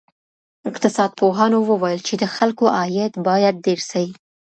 اقتصاد پوهانو وویل چې د خلکو عاید باید ډېر سي.